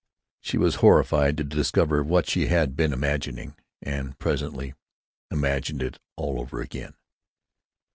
She was horrified to discover what she had been imagining, and presently imagined it all over again.